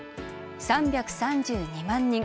３３２万人。